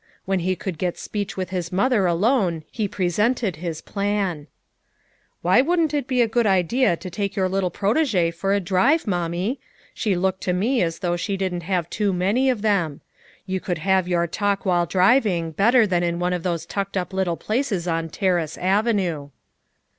When he could get speech with his mother alone he presented his plan. "Why wouldn't it he a good idea to take your little protegee for a drive, Mommic? She looked to me as though she didn't have too many of them. You could have your talk while driving, better than in one of those tucked up little places on Terrace Avenue."